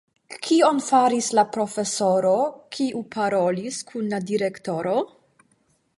Kion faris la profesoro, kiu parolis kun la direktoro?